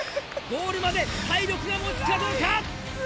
ゴールまで体力がもつかどうか。